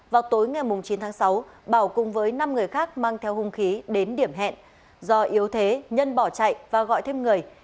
vào tối ngày chín tháng sáu bảo cùng với năm người khác mang theo hung khí đến điểm hẹn do yếu thế nhân bỏ chạy và gọi thêm người